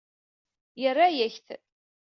Yerra-yak-t.